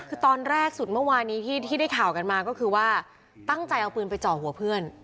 คือตอนแรกสุดเมื่อวานี้ที่ได้ข่าวกันมาก็คือว่าตั้งใจเอาปืนไปเจาะหัวเพื่อน